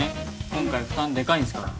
今回負担でかいんすから。